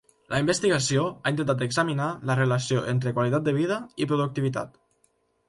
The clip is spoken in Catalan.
La investigació ha intentat examinar la relació entre qualitat de vida i productivitat.